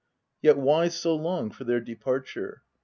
Yet why so long for their departure